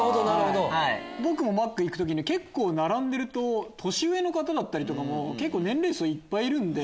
僕もマック行くと並んでると年上の方だったりとかも結構年齢層いっぱいいるんで。